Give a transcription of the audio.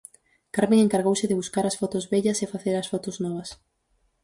Carmen encargouse de buscar as fotos vellas e facer as fotos novas.